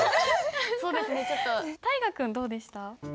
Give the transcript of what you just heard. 大河君どうでした？